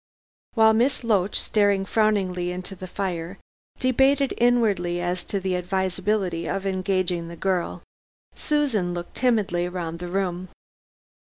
While Miss Loach, staring frowningly into the fire, debated inwardly as to the advisability of engaging the girl, Susan looked timidly round the room.